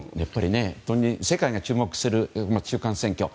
世界が注目する中間選挙。